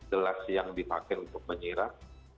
jelas yang dipakai untuk menyerah